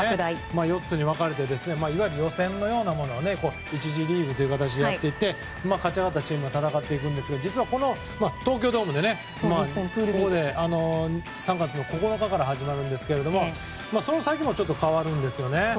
４つに分かれていわゆる予選のようなものを１次リーグという形でやっていって勝ち上がったチームと戦っていくんですが実は東京ドームで３月９日から始まるんですがその先もちょっと変わるんですよね。